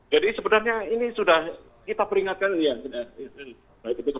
jadi sebenarnya ini sudah kita peringatkan ya